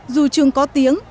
dù trường có tiếng